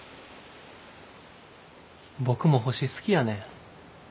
僕も星好きやねん。